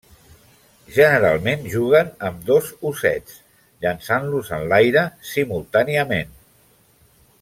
Generalment juguen amb dos ossets, llançant-los enlaire simultàniament.